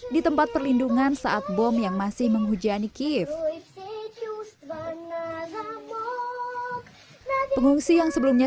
di tempat perlindungan saat bom yang masih menghujani kiev pengungsi yang sebelumnya